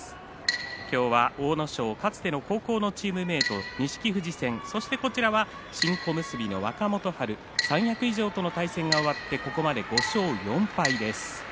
今日は阿武咲、かつてのチームメート錦富士戦そして新小結の若元春三役以上との対戦が終わってここまで５勝４敗です。